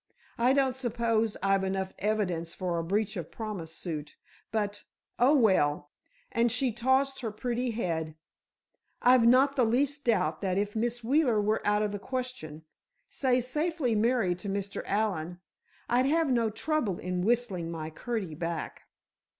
I don't suppose I've enough evidence for a breach of promise suit, but—oh, well," and she tossed her pretty head, "I've not the least doubt that if Miss Wheeler were out of the question—say, safely married to Mr. Allen, I'd have no trouble in whistling my Curtie back."